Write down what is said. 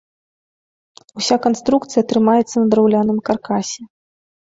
Уся канструкцыя трымаецца на драўляным каркасе.